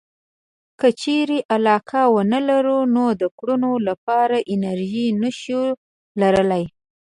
که چېرې علاقه ونه لرو نو د کړنو لپاره انرژي نشو لرلای.